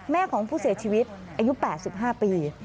แม่ของผู้เสียชีวิตอายุ๘๕ปี